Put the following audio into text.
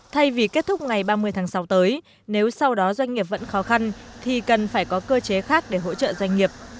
thay vì kết thúc ngày ba mươi tháng sáu tới nếu sau đó doanh nghiệp vẫn khó khăn thì cần phải có cơ chế khác để hỗ trợ doanh nghiệp